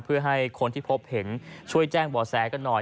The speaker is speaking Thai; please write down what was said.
เพื่อให้คนที่พบเห็นช่วยแจ้งบ่อแสกันหน่อย